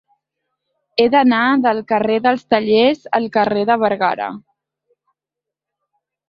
He d'anar del carrer dels Tallers al carrer de Bergara.